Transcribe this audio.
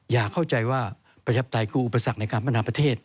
อย่าเข้าใจว่าประชาปไตยคืออุปสรรคในการพัฒนาประเทศ